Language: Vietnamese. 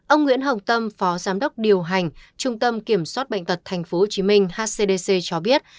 ông nguyễn hồng tâm phó giám đốc điều hành trung tâm kiểm soát bệnh tật tp hcm hcdc cho biết